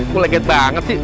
kok leket banget sih